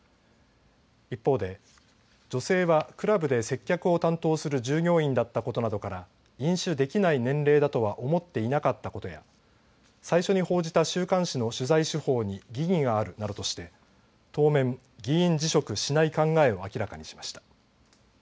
一方で、女性はクラブで接客を担当する従業員だったことなどから飲酒できない年齢だとは思っていなかったことや最初に報じた週刊誌の取材手法に疑義があるなどとして当面議員辞職しない考えを明らかにしました。